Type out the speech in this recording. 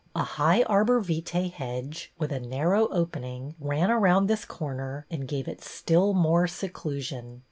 A high arbor vitae hedge with a nar row opening ran around this corner and gave it still more seclusion.